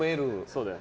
そうだよ。